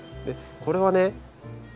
これはね